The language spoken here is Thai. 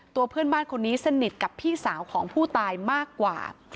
ตัวเพื่อนบ้านคนนี้สนิทกับพี่สาวของผู้ตายมากกว่า